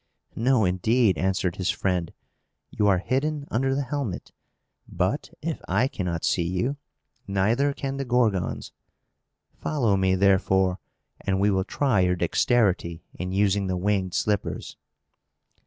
"No, indeed!" answered his friend. "You are hidden under the helmet. But, if I cannot see you, neither can the Gorgons. Follow me, therefore, and we will try your dexterity in using the winged slippers."